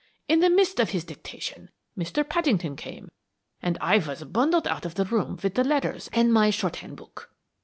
In the midst of his dictation Mr. Paddington came, and I was bundled out of the room with the letters and my shorthand book.